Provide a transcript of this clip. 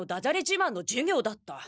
自慢の授業だった。